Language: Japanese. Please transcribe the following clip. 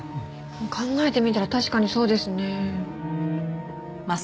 考えてみたら確かにそうですね。